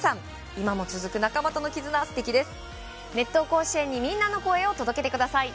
今も続く仲間との絆、すてきです。